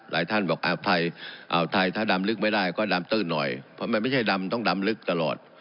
ท่านบอกอ่าวไทยอ่าวไทยถ้าดำลึกไม่ได้ก็ดำตื้นหน่อยเพราะมันไม่ใช่ดำต้องดำลึกตลอด